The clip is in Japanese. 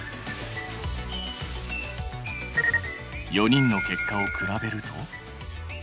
４人の結果を比べると。